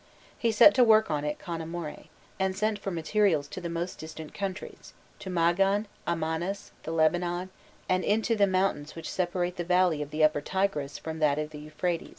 He set to work on it con amore, and sent for materials to the most distant countries to Magan, Amanus, the Lebanon, and into the mountains which separate the valley of the Upper Tigris from that of the Euphrates.